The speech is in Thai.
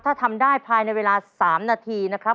ถ้าทำได้ภายในเวลา๓นาทีนะครับ